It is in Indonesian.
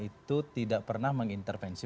itu tidak pernah mengintervensi